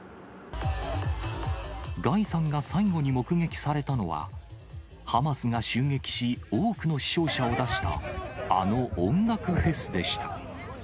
ガイさんが最後に目撃されたのは、ハマスが襲撃し、多くの死傷者を出したあの音楽フェスでした。